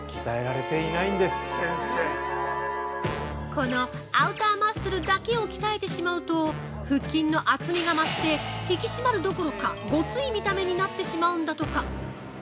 ◆このアウターマッスルだけを鍛えてしまうと腹筋の厚みが増して引き締まるどころかごつい見た目になってしまうんだとか。